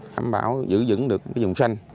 đảm bảo giữ vững được vùng xanh